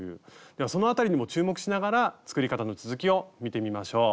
ではその辺りにも注目しながら作り方の続きを見てみましょう。